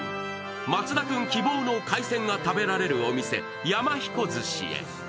松田君希望の海鮮が食べられるお店、やまひこ鮨へ。